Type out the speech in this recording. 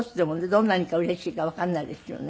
どんなにかうれしいかわからないですよね。